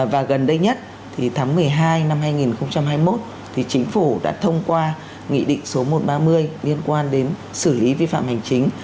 và gần đây nhất tháng một mươi hai năm hai nghìn hai mươi một thì chính phủ đã thông qua nghị định số một trăm ba mươi liên quan đến xử lý vi phạm hành chính